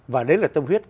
và đấy là tâm huyết